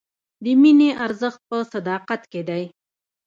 د مینې ارزښت په صداقت کې دی.